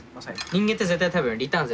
人間って絶対多分リターン